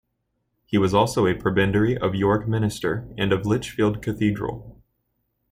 He was also a prebendary of York Minster and of Lichfield Cathedral.